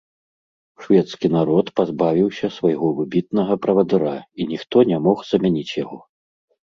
Шведскі народ пазбавіўся свайго выбітнага правадыра, і ніхто не мог замяніць яго.